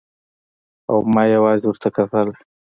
او ما يوازې ورته کتلای.